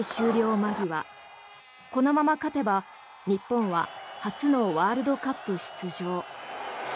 間際このまま勝てば日本は初のワールドカップ出場。